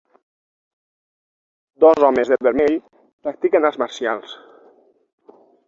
Dos homes de vermell practiquen arts marcials.